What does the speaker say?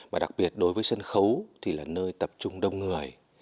và đặc biệt đối với sân khấu thì là nơi tập trung đông người